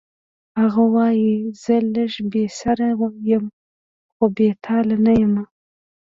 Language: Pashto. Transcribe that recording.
هغه وایی زه لږ بې سره یم خو بې تاله نه یم